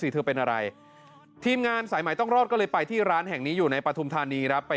เธอเป็นอะไรบ้างวะ